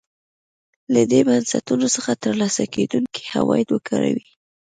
له دې بنسټونو څخه ترلاسه کېدونکي عواید وکاروي.